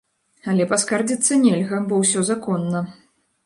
Але паскардзіцца нельга, бо ўсё законна.